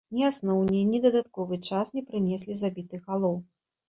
Ні асноўны, ні дадатковы час не прынеслі забітых галоў.